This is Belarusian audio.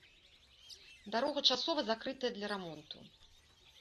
Дарога часова закрытая для рамонту.